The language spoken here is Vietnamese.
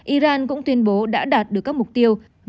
iran cũng tuyên bố đã đạt được các mục tiêu